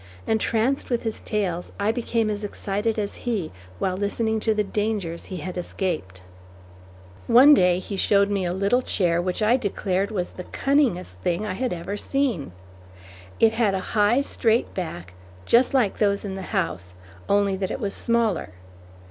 Entranced with his tales I became as excited as he, while listening to the dangers he had escaped. One day he showed me a little chair which I declared was the cunningest thing I had ever seen. It had a high, straight back, just like those in the house, only that it was smaller.